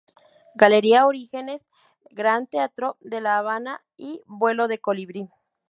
Galería Orígenes, Gran Teatro de La Habana y "Vuelo de colibrí".